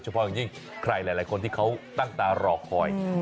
เพราะอย่างยิ่งใครหลายคนที่เขาตั้งตารอคอย